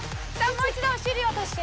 もう一度お尻を落として。